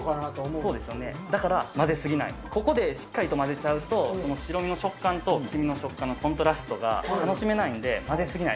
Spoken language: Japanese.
そうですよね、だから混ぜ過ぎない、ここでしっかりと混ぜちゃうと、白身の食感と黄身の食感のコントラストが楽しめないんで、混ぜすぎない。